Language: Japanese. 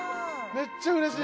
めっちゃうれしい！